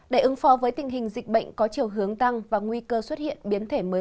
để ứng phó với tình hình dịch bệnh có chiều hướng tăng và nguy cơ xuất hiện biến thể mới